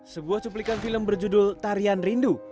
sebuah cuplikan film berjudul tarian rindu